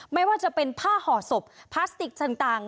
ไม่ว่าจะเป็นผ้าห่อศพพลาสติกต่าง